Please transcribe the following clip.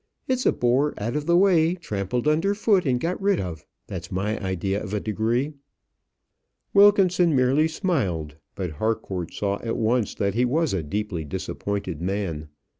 It's a bore out of the way, trampled under foot and got rid of; that's my idea of a degree." Wilkinson merely smiled; but Harcourt saw at once that he was a deeply disappointed man.